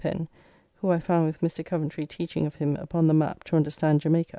Pen (who I found with Mr. Coventry teaching of him upon the map to understand Jamaica).